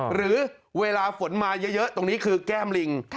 หรือเวลาฝนมาเยอะตรงนี้คือแก้มลิง